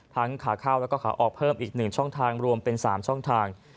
ทั้งขาเข้าแล้วก็ขาออกเพิ่มอีกหนึ่งช่องทางรวมเป็นสามช่องทาง